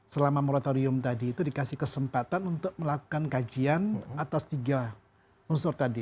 selama moratorium tadi itu dikasih kesempatan untuk melakukan kajian atas tiga unsur tadi